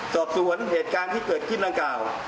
สอบสวนเหตุการณ์ที่เกิดขึ้นดังกล่าว